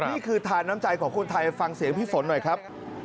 นี่คือทานน้ำใจของคนไทยฟังเสียงพี่ฝนหน่อยครับ